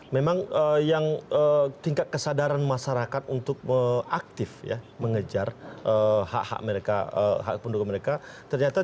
memang yang tingkat kesadaran masyarakat untuk aktif ya mengejar hak hak mereka